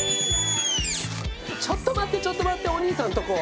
「ちょっと待ってちょっと待ってお兄さん」のとこ